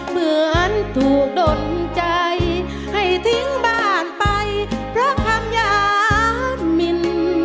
เหมือนถูกดนใจให้ทิ้งบ้านไปเพราะคำอยากมิน